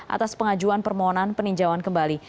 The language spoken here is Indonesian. atas pengajuan permohonan peninjauan kembali